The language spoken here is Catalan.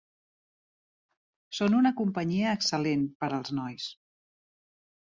Són una companyia excel·lent per als nois.